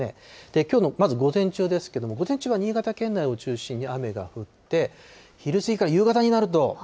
きょうの、まず午前中ですけれども、午前中は新潟県内を中心に雨が降って、昼過ぎから夕方になると。